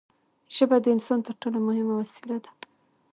ژبه د انسان تر ټولو مهمه وسیله ده.